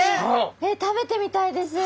えっ食べてみたいです！